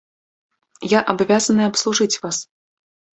Я абавязаная абслужыць вас.